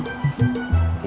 iya pak saul